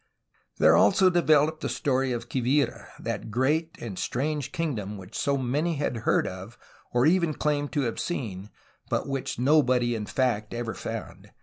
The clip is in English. There also developed the story of Quivira, that great and strange kingdom which so many had heard of or even claimed to have seen, but which nobody in fact ever found.